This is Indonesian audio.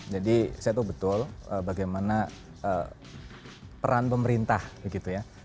jadi saya tahu betul bagaimana peran pemerintah gitu ya